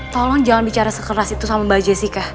tolong jangan bicara sekeras itu sama mbak jessica